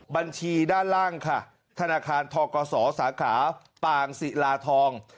บัญชีด้านล่างค่ะธนาคารทกศสาขาปางศิลาทอง